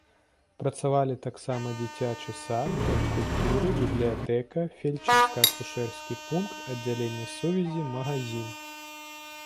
Працавалі таксама дзіцячы сад, дом культуры, бібліятэка, фельчарска-акушэрскі пункт, аддзяленне сувязі, магазін.